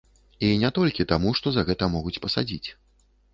І не толькі таму, што за гэта могуць пасадзіць.